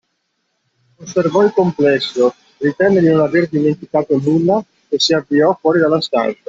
Osservò il complesso, ritenne di non aver dimenticato nulla e si avviò fuori dalla stanza.